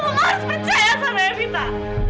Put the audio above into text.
kamu harus percaya sama evita